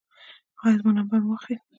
ایا زما نمبر مو واخیست؟